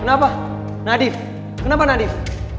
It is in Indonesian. kenapa nadif kenapa nadif